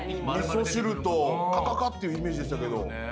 カカカっていうイメージでしたけど。